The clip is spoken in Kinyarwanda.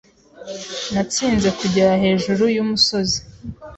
Natsinze kugera hejuru yumusozi.